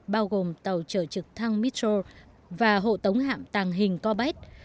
bao gồm tàu chở trực thăng mitchell và hộ tống hạm tàng hình corbett